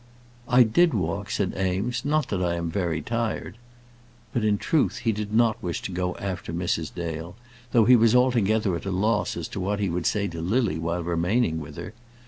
"I did walk," said Eames; "not that I am very tired." But in truth he did not wish to go after Mrs. Dale, though he was altogether at a loss as to what he would say to Lily while remaining with her.